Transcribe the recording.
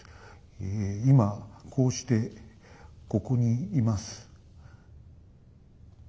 ええ今こうしてここにいます。